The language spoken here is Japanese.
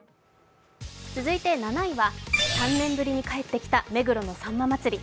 続いて７位は、３年ぶりに帰ってきた目黒のさんま祭り。